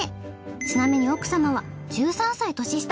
ちなみに奥さまは１３歳年下。